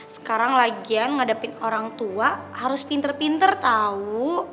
sekarang lagian ngadepin orang tua harus pinter pinter tahu